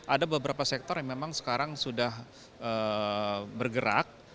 ada beberapa sektor yang memang sekarang sudah bergerak